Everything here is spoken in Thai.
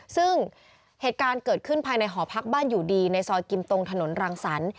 ซึ่งเหตุการณ์เกิดขึ้นภายในหอพักบ้านอยู่ดีในซอยกิมตรงถนนรังสรรค์